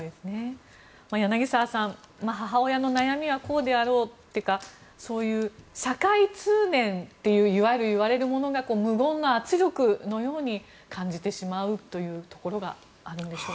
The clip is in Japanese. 柳澤さん、母親の悩みはこうであろうとか社会通念といわれるものが無言の圧力のように感じてしまうというところがあるんでしょうか。